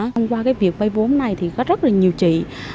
thông qua việc bây vốn này thì có rất là nhiều chị